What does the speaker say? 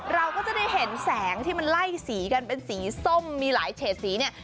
เราก็จะได้เห็นแสงที่มันไล่สีกันเป็นสีส้มมีหลายเฉดสีเนี่ย